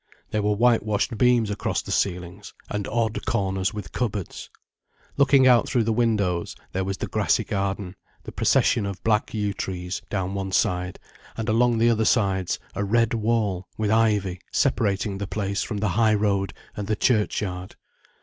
There were whitewashed beams across the ceilings, and odd corners with cupboards. Looking out through the windows, there was the grassy garden, the procession of black yew trees down one side, and along the other sides, a red wall with ivy separating the place from the high road and the churchyard.